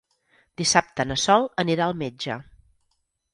Dissabte na Sol anirà al metge.